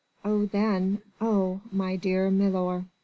oh then! Oh! my dear milor!"